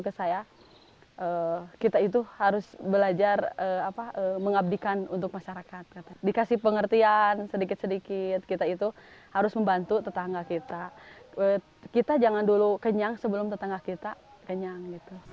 kita jangan dulu kenyang sebelum tetangga kita kenyang